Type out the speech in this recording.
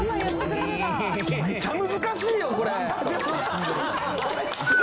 めっちゃ難しいよ、これ。